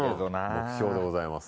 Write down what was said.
目標でございます。